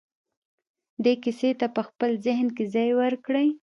دې کيسې ته په خپل ذهن کې ځای ورکړئ.